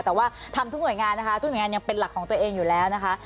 แต่ว่าทำทุกหน่วยงานนะคะทุกหน่วยงานยังเป็นหลักของตัวเองอยู่แล้วนะคะ